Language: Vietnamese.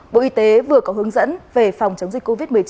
bộ y tế vừa có hướng dẫn về phòng chống dịch covid một mươi chín